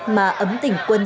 mà ấm tỉnh quân dân